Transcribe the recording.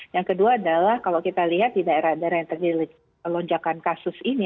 yang kedua adalah kalau kita lihat di daerah daerah yang terjadi lonjakan kasus ini